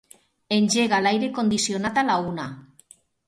Engega l'aire condicionat a la una.